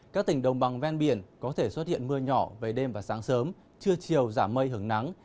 các tỉnh đồng bằng ven biển có thể xuất hiện mưa nhỏ về đêm và sáng sớm trưa chiều giảm mây hứng nắng